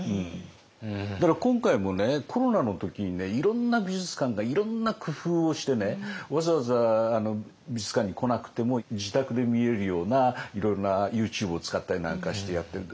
だから今回もコロナの時にねいろんな美術館がいろんな工夫をしてわざわざ美術館に来なくても自宅で見れるようないろいろなＹｏｕＴｕｂｅを使ったりなんかしてやってる。